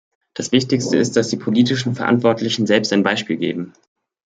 Das Wichtigste ist, dass die politischen Verantwortlichen selbst ein Beispiel geben.